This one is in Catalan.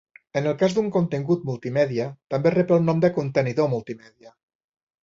En el cas d'un contingut multimèdia, també rep el nom de contenidor multimèdia.